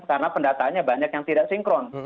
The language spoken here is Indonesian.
karena pendataannya banyak yang tidak sinkron